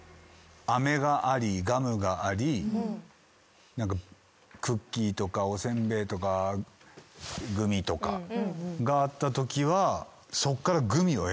アメがありガムがありクッキーとかおせんべいとかグミとかがあったときはそっから。